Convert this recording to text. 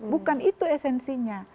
bukan itu esensinya